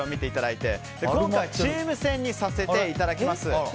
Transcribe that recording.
今回チーム戦にさせていただきます。